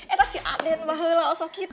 itu si adin bahwa